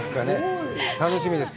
楽しみです。